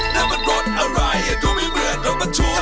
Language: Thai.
นั่นมันรถอะไรดูไม่เหมือนรถประทุกข์